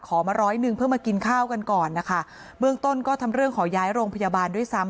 มาร้อยหนึ่งเพื่อมากินข้าวกันก่อนนะคะเบื้องต้นก็ทำเรื่องขอย้ายโรงพยาบาลด้วยซ้ำ